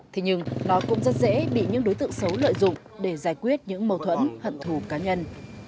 thế nhưng nó cũng rất dễ bị những đối tượng xấu lợi dụng để giải quyết những mâu thuẫn hận thù cá nhân